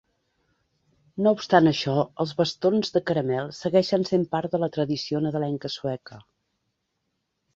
No obstant això els bastons de caramel segueixen sent part de la tradició nadalenca sueca.